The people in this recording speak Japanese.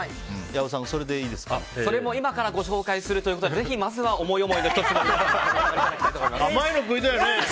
それも今からご紹介するということでぜひまずは思い思いの１粒を選んだいただきたいと思います。